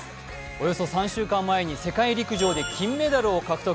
およそ３週間前に世界陸上で金メダルを獲得。